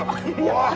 おい！